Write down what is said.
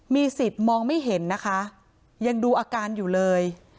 มีสิทธิ์มองไม่เห็นนะคะยังดูอาการอยู่เลย